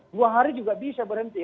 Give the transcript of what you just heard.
dua hari juga bisa berhenti